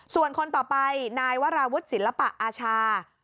จุดต่อไปนายวราวุธศิลปะอาชา